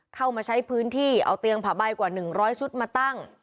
เข้ามาใช้พื้นที่เอาเตียงผ่าใบกว่า๑๐๐ชุดมาตั้ง